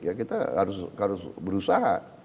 ya kita harus berusaha